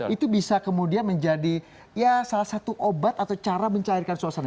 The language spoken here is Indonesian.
itu bisa kemudian menjadi salah satu obat atau cara mencairkan suasana